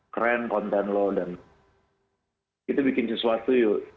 keren konten lu dan kita bikin sesuatu yuk